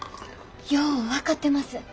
よう分かってます。